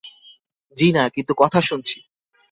জ্বি না, কিন্তু কথা শুনছি।